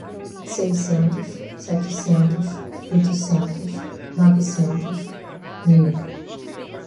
seiscentos, setecentos, oitocentos, novecentos, mil.